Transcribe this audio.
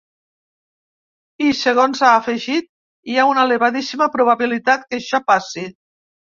I, segons ha afegit, hi ha una “elevadíssima probabilitat” que això passi.